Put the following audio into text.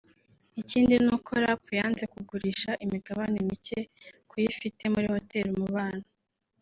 Ikindi ni uko Lap yanze kugurisha imigabane mike ku yo ifite muri Hotel Umubano